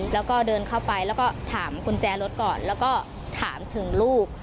แล้วก็เดินเข้าไปแล้วก็ถามกุญแจรถก่อนแล้วก็ถามถึงลูก